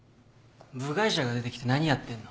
部外者が出てきて何やってんの？